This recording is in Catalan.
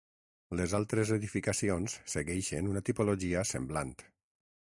Les altres edificacions segueixen una tipologia semblant.